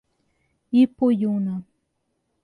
Ipuiuna